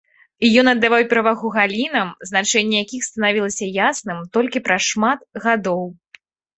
Ён аддаваў перавагу галінам, значэнне якіх станавілася ясным толькі праз шмат гадоў.